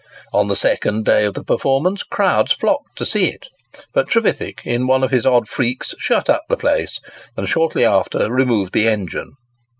On the second day of the performance, crowds flocked to see it; but Trevithick, in one of his odd freaks, shut up the place, and shortly after removed the engine.